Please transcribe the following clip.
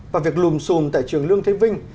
và việc lùm xùm tại trường lương thế vinh